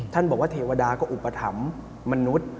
บอกว่าเทวดาก็อุปถัมภ์มนุษย์